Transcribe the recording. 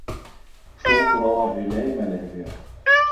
Шул турала һөйләйем әле һеҙгә.